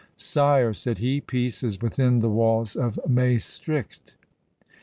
"Sire," said he, "peace is within the walls of Maestricht."